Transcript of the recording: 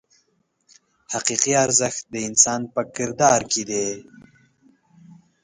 حقیقي ارزښت د انسان په کردار کې دی.